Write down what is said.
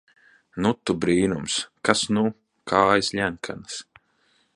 Nu, tu brīnums! Kas nu! Kājas ļenkanas...